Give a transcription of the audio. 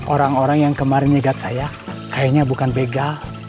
orang orang yang kemarin nyegat saya kayaknya bukan begal